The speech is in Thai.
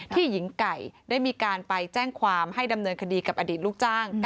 หญิงไก่ได้มีการไปแจ้งความให้ดำเนินคดีกับอดีตลูกจ้าง